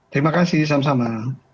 terima kasih sama sama